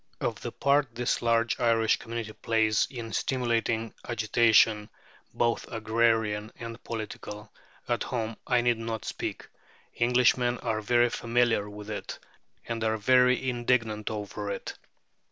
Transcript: Of the part this large Irish community plays in stimulating agitation both agrarian and political at home I need not speak; Englishmen are very familiar with it, and are very indignant over it.